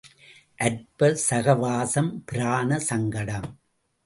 அற்ப சகவாசம் பிராண சங்கடம்.